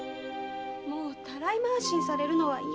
もうたらい回しにされるのはいや。